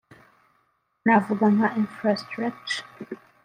navuga nka infrastructure